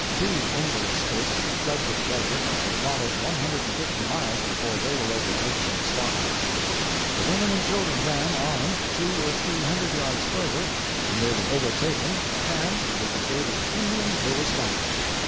Two only escaped, who fled to the desert, and were followed one hundred and fifty miles before they were overtaken and slaughtered. The women and children ran on, two or three hundred yards further, when they were overtaken and with the aid of the Indians they were slaughtered.